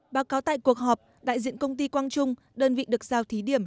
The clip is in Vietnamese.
báo cáo tại cuộc họp đại diện công ty quang trung đơn vị được giao thí điểm